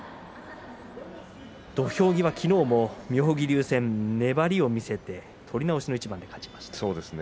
土俵際、昨日も妙義龍戦粘りを見せて取り直しの一番で勝ちました。